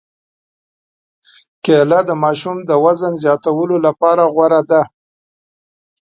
کېله د ماشوم د وزن زیاتولو لپاره غوره ده.